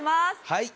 はい。